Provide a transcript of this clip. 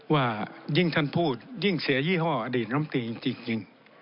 ว่ายิ่งท่านพูดยิ่งเสียยี่ห้ออเดียนธรรมตีจริงจริง